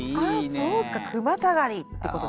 ああそうか「句またがり」ってことですね。